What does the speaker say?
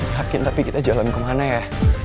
hakim tapi kita jalan kemana ya